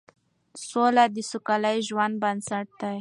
سوله د سوکاله ژوند بنسټ دی